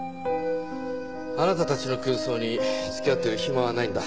あなたたちの空想に付き合ってる暇はないんだ。